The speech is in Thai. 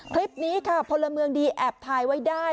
คลิปนี้ค่ะพลเมืองดีแอบถ่ายไว้ได้